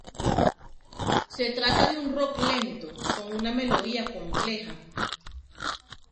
Se trata de un rock lento con una melodía compleja.